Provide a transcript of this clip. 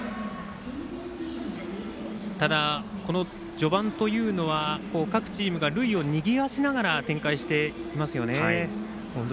ただ、序盤というのは各チームが塁をにぎわせながら展開していますね。